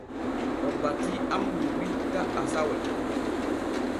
O batii am mi witta asawe.